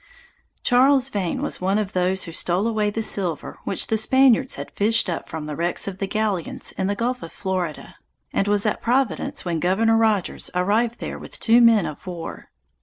Charles Vane was one of those who stole away the silver which the Spaniards had fished up from the wrecks of the galleons in the Gulf of Florida, and was at Providence when governor Rogers arrived there with two men of war.